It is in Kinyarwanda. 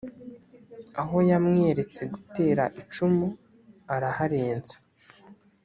aho yamweretse gutera icumu, araharenza